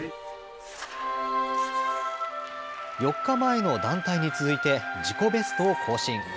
４日前の団体に続いて自己ベストを更新。